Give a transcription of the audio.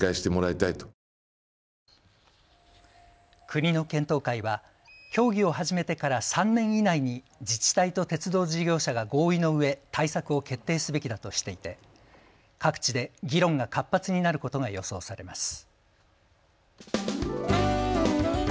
国の検討会は協議を始めてから３年以内に自治体と鉄道事業者が合意のうえ対策を決定すべきだとしていて各地で議論が活発になることが予想されます。